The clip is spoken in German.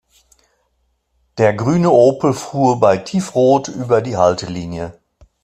Der grüne Opel fuhr bei Tiefrot über die Haltelinie.